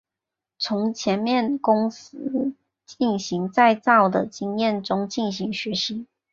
从前面公司进行再造的经验中进行学习。